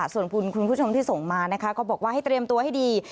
ส่วนคุณผู้ชมที่ส่งมานะคะก็บอกว่าให้เตรียมตัวให้ดี